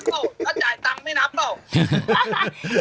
ก็ไม่นับเหรอถ้าจ่ายตังค์ไม่นับเหรอ